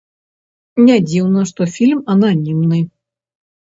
Не дзіўна, што фільм ананімны.